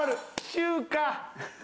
中華！